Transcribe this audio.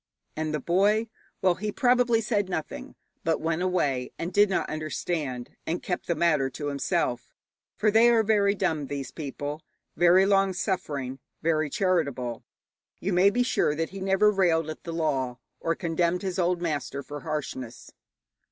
And the boy? Well, he probably said nothing, but went away and did not understand, and kept the matter to himself, for they are very dumb, these people, very long suffering, very charitable. You may be sure that he never railed at the law, or condemned his old master for harshness.